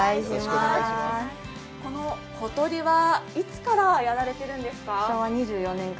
この、ことりは、いつからやられているんですか。